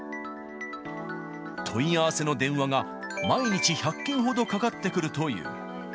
問い合わせの電話が毎日１００件ほどかかってくるという。